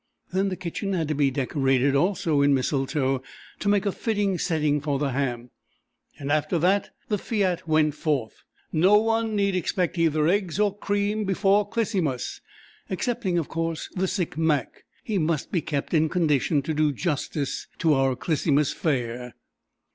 Then the kitchen had to be decorated, also in mistletoe, to make a fitting setting for the ham, and after that the fiat went forth. No one need expect either eggs or cream before "Clisymus"—excepting, of course, the sick Mac—he must be kept in condition to do justice to our "Clisymus" fare.